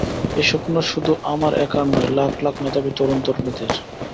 এ স্বপ্ন শুধু আমার একার নয়, লাখ লাখ মেধাবী তরুণ তরুণীদের।